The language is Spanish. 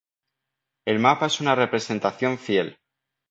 El mapa es una representación fiel.